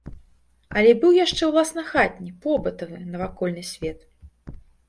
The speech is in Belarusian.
Але быў яшчэ ўласна хатні, побытавы, навакольны свет.